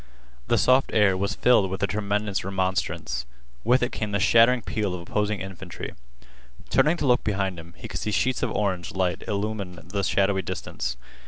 The soft air was filled with the tremendous remonstrance. With it came the shattering peal of opposing infantry. Turning to look behind him, he could see sheets of orange light illumine the shadowy distance.